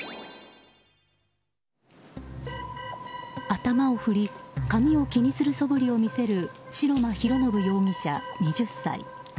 頭を振り髪を気にするそぶりを見せる白間広宣容疑者、２０歳。